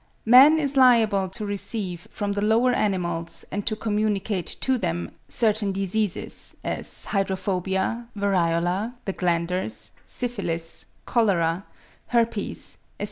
Man is liable to receive from the lower animals, and to communicate to them, certain diseases, as hydrophobia, variola, the glanders, syphilis, cholera, herpes, etc.